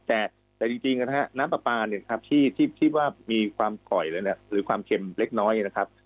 แต่จริงนะฮะน้ำปลาปลาเนี่ยครับที่ว่ามีความก่อยเลยเนี่ยหรือความเค็มเล็กน้อยนะครับ